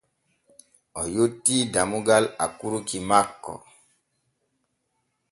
O yottii dammugal akurki makko.